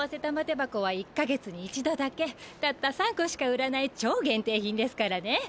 てばこは１か月に一度だけたった３個しか売らない超限定品ですからね。